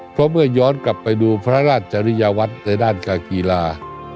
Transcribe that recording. เพราะเมื่อย้อนกลับไปดูพระราชจริยวัตรในด้านการกีฬา